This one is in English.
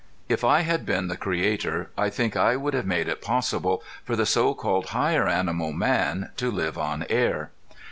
If I had been the creator I think I would have made it possible for the so called higher animal man to live on air.